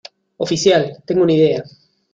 oficial, tengo una idea.